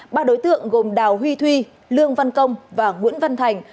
ba đối tượng gồm đào huy thuy lương văn công và nguyễn văn thành